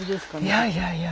いやいやいや。